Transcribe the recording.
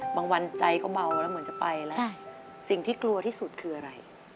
วันใจก็เบาแล้วเหมือนจะไปแล้วสิ่งที่กลัวที่สุดคืออะไร